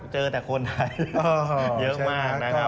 เจอแต่คนไทยเยอะมาก